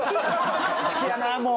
好きやなもう。